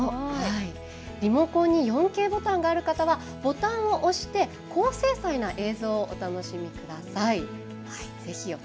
リモコンに４Ｋボタンがある方はボタンを押して高精細な映像をお楽しみください。